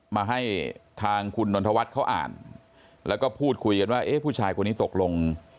มาให้ทางคุณนนทวัฒน์เขาอ่านแล้วก็พูดคุยกันว่าเอ๊ะผู้ชายคนนี้ตกลง